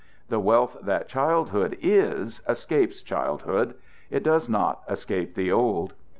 The wealth that childhood is, escapes childhood; it does not escape the old.